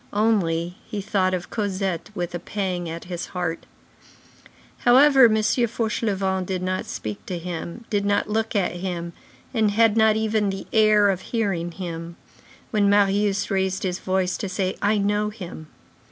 Only, he thought of Cosette with a pang at his heart. However, M. Fauchelevent did not speak to him, did not look at him, and had not even the air of hearing him, when Marius raised his voice to say: "I know him."